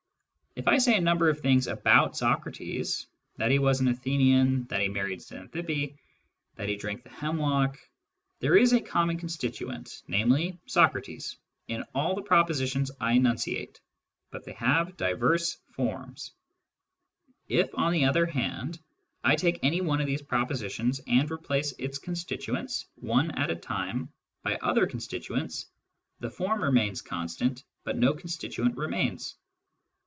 If I say a number Digitized by Google LOGIC AS THE ESSENCE OF PHILOSOPHY 43 of things about Socrates — that he was an Athenian, that he married Xantippe, that he drank the hemlock — ^there is a common constituent, namely Socrates, in all the pro positions I enunciate, but they have diverse forms. If, on the other hand, I take any one of these propositions and replace its constituents, one at a time, by other con stituents, the form remains constant, but no constituent remains.